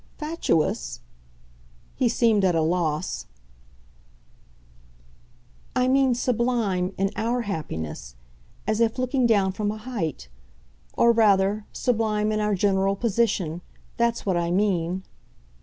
"'Fatuous'?" he seemed at a loss. "I mean sublime in OUR happiness as if looking down from a height. Or, rather, sublime in our general position that's what I mean."